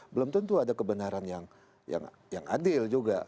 belum tentu ada kebenaran yang adil juga